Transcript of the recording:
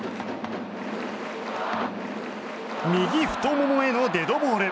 右太ももへのデッドボール。